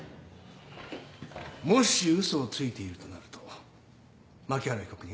もし嘘をついているとなると槇原被告人